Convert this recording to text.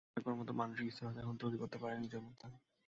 দেখা করার মতো মানসিক স্থিরতা এখনো তৈরি করতে পারেননি নিজের মধ্যে।